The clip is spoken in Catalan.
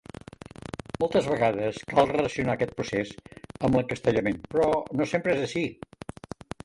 Moltes vegades cal relacionar aquest procés amb l'encastellament, però no sempre és així.